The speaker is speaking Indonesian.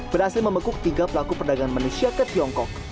berhasil membekuk tiga pelaku perdagangan manusia ke tiongkok